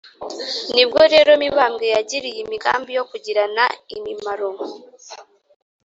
nibwo rero mibambwe yigiriye imigambi yo kugirana imimaro